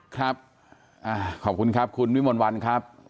ครับขอบคุณครับคุณวิมลวันครับ